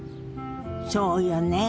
そうよね。